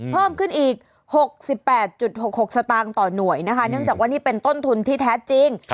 เพิ่มขึ้นอีก๖๘๖๖สตางค์ต่อหน่วยนะคะเนื่องจากว่านี่เป็นต้นทุนที่แท้จริง